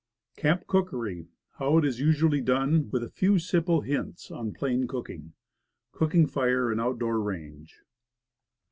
CAMP COOKERY. HOW IT IS USUALLY DONE, WITH A FEW SIMPLE HINTS ON PLAIN COOKING. COOK ING FIRE AND OUT DOOR RANGE.